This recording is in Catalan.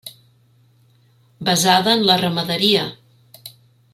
Basada en la ramaderia.